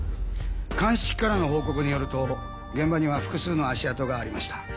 鑑識からの報告によると現場には複数の足跡がありました。